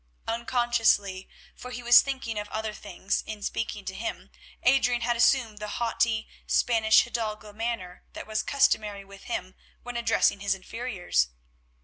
Unconsciously, for he was thinking of other things, in speaking to him, Adrian had assumed the haughty, Spanish hidalgo manner that was customary with him when addressing his inferiors.